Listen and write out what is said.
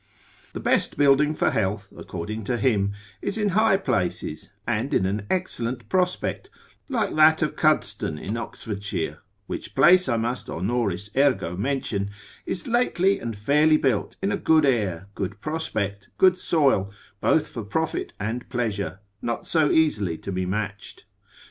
The best building for health, according to him, is in high places, and in an excellent prospect, like that of Cuddeston in Oxfordshire (which place I must honoris ergo mention) is lately and fairly built in a good air, good prospect, good soil, both for profit and pleasure, not so easily to be matched.